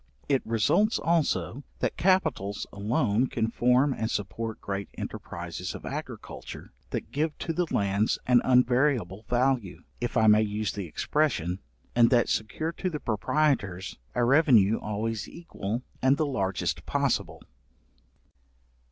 It results also, that capitals alone can form and support great enterprizes of agriculture, that give to the lands an unvariable value, if I may use the expression, and that secure to the proprietors a revenue always equal, and the largest possible.